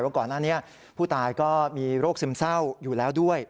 ก่อนหน้านี้ผู้ตายก็มีโรคซึมเศร้าอยู่แล้วด้วย